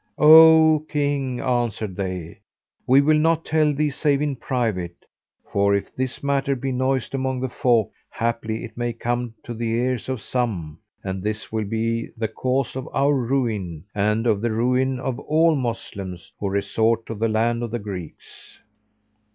"O King," answered they, "we will not tell thee save in private; for if this matter be noised among the folk, haply it may come to the ears of some,[FN#420] and this will be the cause of our ruin and of the ruin of all Moslems who resort to the land of the Greeks."